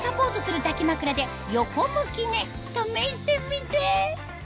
試してみて！